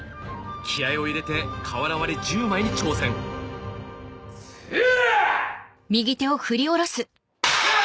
気合を入れて瓦割り１０枚に挑戦セヤァ！